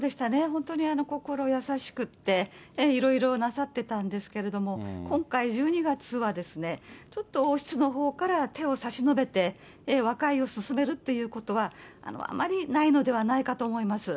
本当に心優しくって、いろいろなさってたんですけれども、今回、１２月はちょっと王室のほうから手を差し伸べて、和解をすすめるということは、あまりないのではないかと思います。